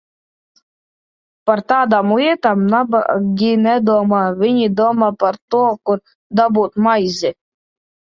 Par tādām lietām nabagi nedomā – viņi domā par to, kur dabūt maizi.